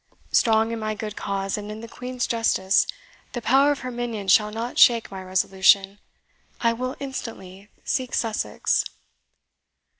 Strong in my good cause, and in the Queen's justice, the power of her minion shall not shake my resolution. I will instantly seek Sussex."